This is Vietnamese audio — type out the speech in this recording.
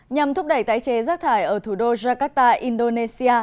nhằm thúc đẩy tái chế rác thải ở thủ đô jakarta indonesia